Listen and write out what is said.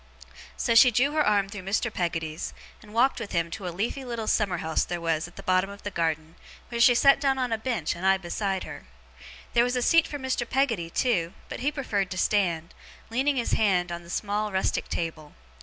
So, she drew her arm through Mr. Peggotty's, and walked with him to a leafy little summer house there was at the bottom of the garden, where she sat down on a bench, and I beside her. There was a seat for Mr. Peggotty too, but he preferred to stand, leaning his hand on the small rustic table.